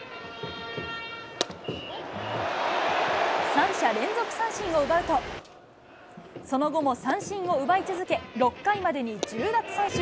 ３者連続三振を奪うと、その後も三振を奪い続け、６回までに１０奪三振。